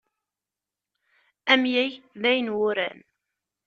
Amyag d ayenwuran.